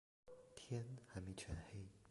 天还没全黑